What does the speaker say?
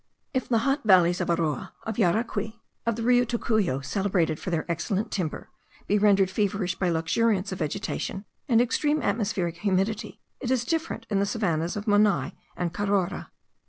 If the hot valleys of Aroa, of Yaracuy, and of the Rio Tocuyo, celebrated for their excellent timber, be rendered feverish by luxuriance of vegetation, and extreme atmospheric humidity, it is different in the savannahs of Monai and Carora.